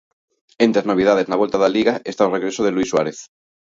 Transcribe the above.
Entre as novidades na volta da Liga está o regreso de Luís Suárez.